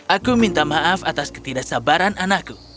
aku minta maaf atas ketidaksabaran anakku